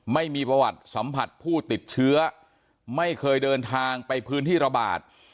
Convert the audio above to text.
ไม่มีประวัติสัมผัสผู้ติดเชื้อไม่เคยเดินทางไปพื้นที่ระบาด